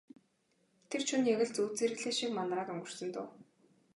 Тэр шөнө яг л зүүд зэрэглээ шиг манараад өнгөрсөн дөө.